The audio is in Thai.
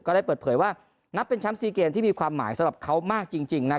ก็ได้เปิดเผยว่านับเป็นช้ำซีเกมที่มีความหมายสำหรับเขามากจริงนะครับ